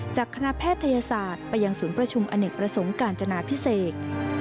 จากคณะแพทยศาสตร์ไปยังศูนย์ประชุมอเนกประสงค์การจนาพิเศษ